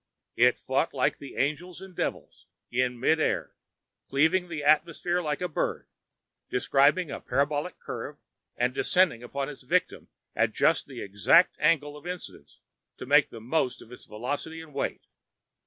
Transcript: It fought like the angels and devils, in mid air, cleaving the atmosphere like a bird, describing a parabolic curve and descending upon its victim at just the exact angle of incidence to make the most of its velocity and weight.